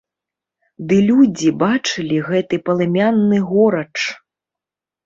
Ды людзі бачылі гэты палымянны горач.